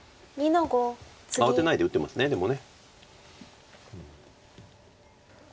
慌てないで打ってますでも。